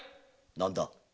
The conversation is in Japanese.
何だ？